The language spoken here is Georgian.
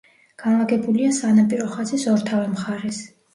განლაგებულია სანაპირო ხაზის ორთავე მხარეს.